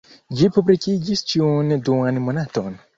Ĝi publikiĝis ĉiun duan monaton.